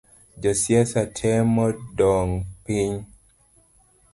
Josiasa temo dong’o piny